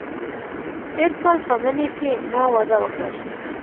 تېر کال په مني کې ما واده وکړ.